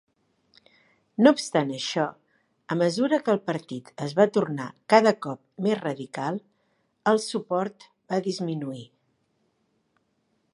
No obstant això, a mesura que el partit es va tornar cada cop més radical, el suport va disminuir.